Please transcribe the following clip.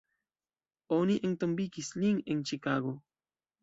Oni entombigis lin en Ĉikago.